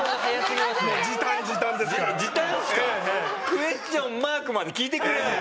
クエスチョンマークまで聞いてくれない？